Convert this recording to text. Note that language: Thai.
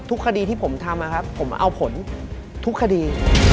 คดีที่ผมทำนะครับผมเอาผลทุกคดี